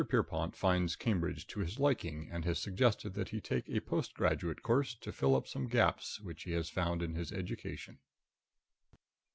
Pierrepont || finds Cambridge to his || liking, and has suggested || that he take a post graduate || course to fill up some || gaps which he has found || in his education.